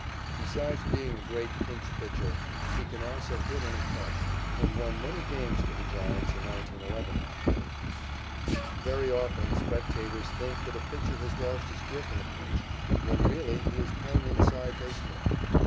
Besides being a great pinch pitcher, he can also hit in a crush, and won many games for the Giants in 1911 that way. Very often spectators think that a pitcher has lost his grip in a pinch, when really he is playing inside baseball.